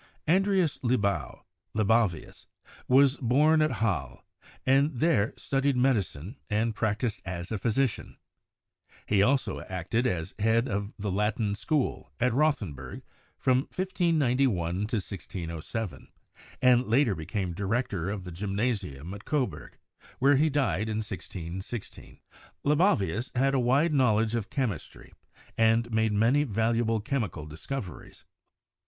Andreas Libau (Libavius) was born at Halle, and there studied medicine and practiced as a physician. He also acted as head of the "Latin School" at Rothenburg from 1 591 to 1607, and later became director of the gymnasium at Coburg, where he died in 1616. Libavius had a wide knowledge of chemistry and made many valuable chemi cal discoveries.